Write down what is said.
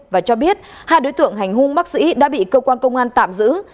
và cho biết hai đối tượng hành hung bác sĩ đã bị cơ quan công an tạm giữ